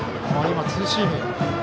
今はツーシーム。